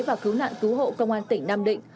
và cứu nạn cứu hộ công an tỉnh nam định